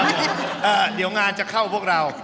เดี๋ยวงานจะเข้าพวกเรา